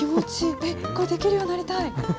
これ、できるようになりたい。